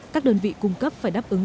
các đơn vị cung cấp phải đáp ứng